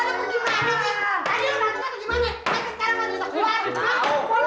keluar lho keluar lho